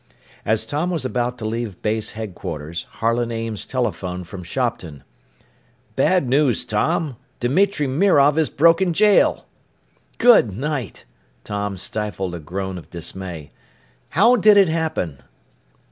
As Tom was about to leave base headquarters, Harlan Ames telephoned from Shopton. "Bad news, Tom. Dimitri Mirov has broken jail!" "Good night!" Tom stifled a groan of dismay. "How did it happen?"